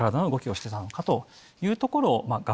をしていたのかというところを。